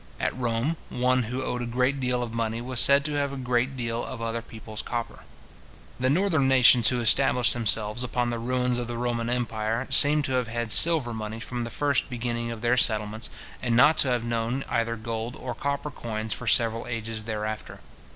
At Rome, one who owed a great deal of money was said to have a great deal of other people's copper. The northern nations who established themselves upon the ruins of the Roman empire, seem to have had silver money from the first beginning of their settlements, and not to have known either gold or copper coins for several ages thereafter.